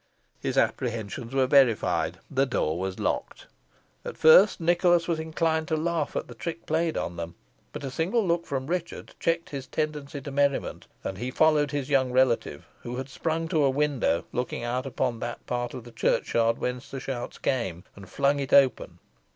His apprehensions were verified; the door was locked. At first Nicholas was inclined to laugh at the trick played them; but a single look from Richard checked his tendency to merriment, and he followed his young relative, who had sprung to a window looking upon that part of the churchyard whence the shouts came, and flung it open.